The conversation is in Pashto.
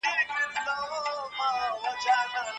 روزنه چلن بدلولی شي.